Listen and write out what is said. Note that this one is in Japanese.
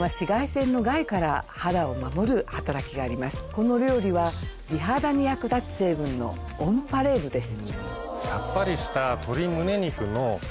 この料理は美肌に役立つ成分のオンパレードです。